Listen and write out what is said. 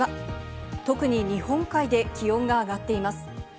特に日本海で気温が上がっています。